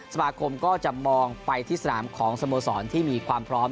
สมาคมก็จะมองไปที่สนามของสโมสรที่มีความพร้อม